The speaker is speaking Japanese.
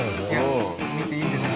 見ていいですよ。